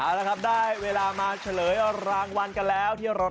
เอาละครับได้เวลามาเฉลยรางวัลกันแล้วที่รถ